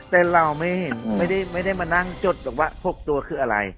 แต่เราไม่ได้มานั่งจดหรอกว่า๖ตัวคืออะไร